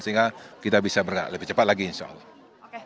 sehingga kita bisa bergerak lebih cepat lagi insya allah